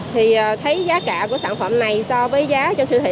thì thấy giá cả của sản phẩm này so với giá cho siêu thị